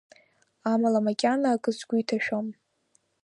Амала макьана акы сгәы иҭашәом…